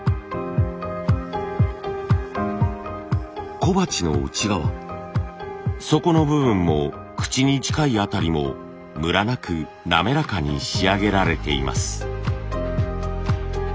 小鉢の内側底の部分も口に近い辺りもムラなく滑らかに仕上げられています。